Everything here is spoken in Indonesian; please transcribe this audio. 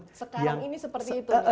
sekarang ini seperti itu